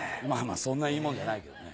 そんないいもんじゃないけどね。